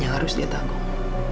yang harus dia tanggung